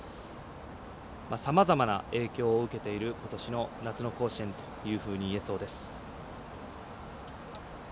さまざまな影響を受けていることしの夏の甲子園といえそうです。